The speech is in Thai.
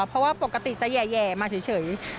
เพราะว่าปกติจะแย่มาเฉย